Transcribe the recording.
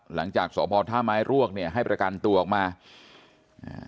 หลังจากสพท่าไม้รวกเนี่ยให้ประกันตัวออกมาอ่า